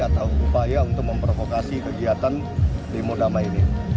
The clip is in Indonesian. atau upaya untuk memprovokasi kegiatan demo damai ini